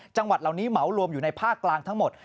จังหวัดเหล่านี้เหมารวมอยู่ในภาคกลางทั้งหมด